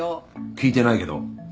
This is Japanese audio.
聞いてないけど。